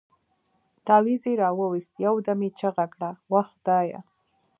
تاويز يې راوايست يو دم يې چيغه کړه وه خدايه.